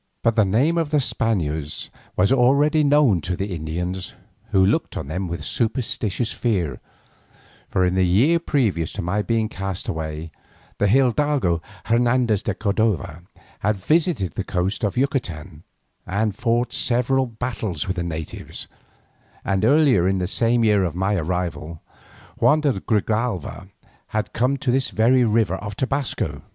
But the name of the Spaniards was already known to the Indians, who looked on them with superstitious fear, for in the year previous to my being cast away, the hidalgo Hernandez de Cordova had visited the coast of Yucatan and fought several battles with the natives, and earlier in the same year of my arrival, Juan de Grigalva had come to this very river of Tobasco.